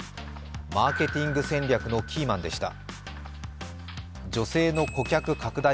マーケティング戦略のキーマンでした。